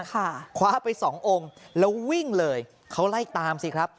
คว้าไปสององค์แล้ววิ่งเลยเขาไล่ตามสิครับ